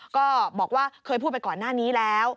ก็บอกว่าเคยพูดไปก่อนหน้านี้แล้ว